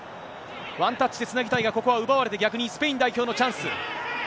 ワンタッチでつなぎたいが、ここは奪われて、逆にスペイン代表のチャンス。